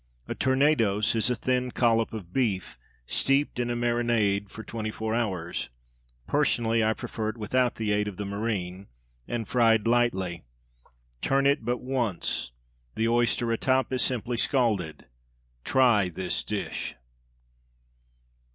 A tournedos is a thin collop of beef, steeped in a marinade for twenty four hours (personally I prefer it without the aid of the marine) and fried lightly. Turn it but once. The oyster atop is simply scalded. _Try this dish.